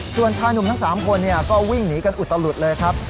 ส่วนชายหนุ่มทั้ง๓คนก็วิ่งหนีกันอุตลุดเลยครับ